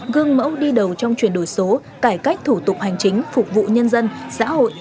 gương mẫu đi đầu trong chuyển đổi số cải cách thủ tục hành chính phục vụ nhân dân xã hội